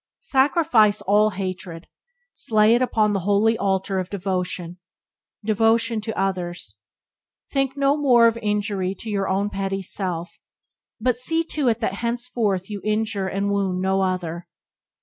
Sacrifice all hatred, slay it upon the holy altar of devotion — devotion to others. Think no more of any injury to your own petty self, but see to it that henceforth you injure and wound no other.